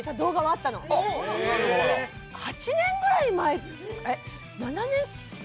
７年ぐらい前。